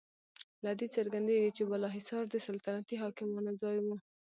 له دې څرګندیږي چې بالاحصار د سلطنتي حاکمانو ځای و.